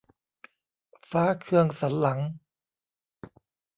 ฟ้าเคืองสันหลัง